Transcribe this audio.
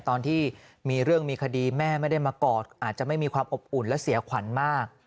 ตอนที่มีเรื่องมีคดีแม่ไม่ได้มากอดอาจจะไม่มีความอบอุ่นและเสียขวัญมาก